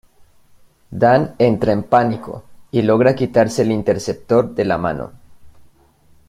Dan entra en pánico y logra quitarse el interceptor de la mano.